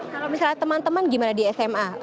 kalau misalnya teman teman gimana di sma